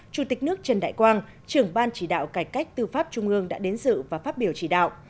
chủ tịch nước trần đại quang trưởng ban chỉ đạo cải cách tư pháp trung ương đã đến dự và phát biểu chỉ đạo